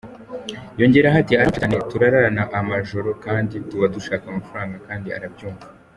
Yongeraho ati “Aramfasha cyane, turarana amajoro kandi tuba dushaka amafaranga kandi arabyumva.